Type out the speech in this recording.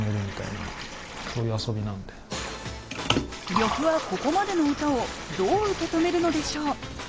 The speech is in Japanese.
呂布はここまでの歌をどう受け止めるのでしょう。